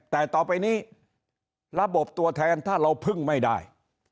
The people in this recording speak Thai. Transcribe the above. แต่ต่อไปนี้ระบบตัวแทนถ้าเราพึ่งไม่ได้